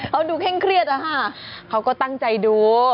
เขาดูเคร่งเครียดอะค่ะเขาก็ตั้งใจดู